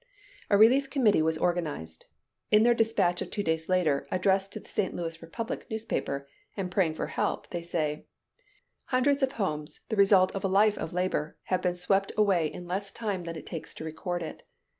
A relief committee was organized. In their dispatch of two days later, addressed to the St. Louis Republic newspaper, and praying for help, they say: "Hundreds of homes, the result of a life of labor, have been swept away in less time than it takes to record it.